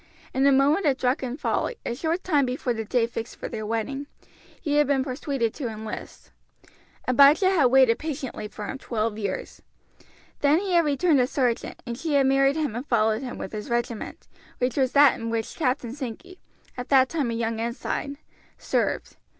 In a moment of drunken folly, a short time before the day fixed for their wedding, he had been persuaded to enlist. Abijah had waited patiently for him twelve years. Then he had returned a sergeant, and she had married him and followed him with his regiment, which was that in which Captain Sankey at that time a young ensign served.